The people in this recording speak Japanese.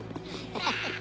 ハハハハ。